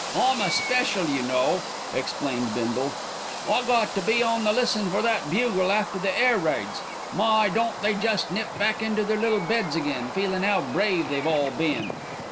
"I'm a special, you know," explained Bindle. "I got to be on the listen for that bugle after the air raids. My! don't they jest nip back into their little beds again, feelin' 'ow brave they've all been."